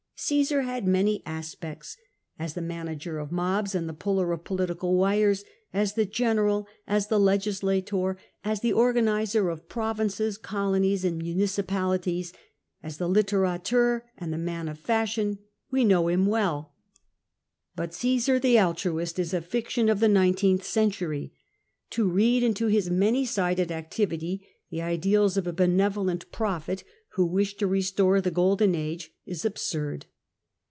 Cmsar had many aspects : as the manager of mobs and the puller of political wires — as the general — as the legislator — as the organiser of pro vinces, colonies, and municipalities — as Jihe litterateur and the man of fashion, we know him well. < But Caesar the altruist is a fiction of the nineteenth century. To read into his many sided activity the ideals of a benevolent prophet, who wished to restore the Golden Age, is absurd.